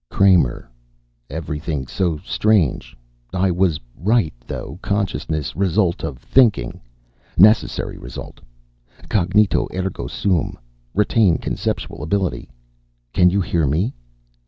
"Kramer. Everything so strange. I was right, though. Consciousness result of thinking. Necessary result. Cognito ergo sum. Retain conceptual ability. Can you hear me?"